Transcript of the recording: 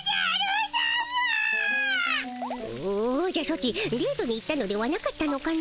おじゃソチデートに行ったのではなかったのかの？